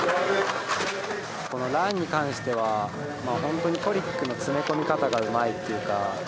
このランに関してはまあ本当にトリックの詰め込み方がうまいっていうか。